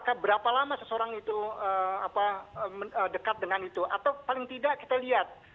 apakah berapa lama seseorang itu dekat dengan itu atau paling tidak kita lihat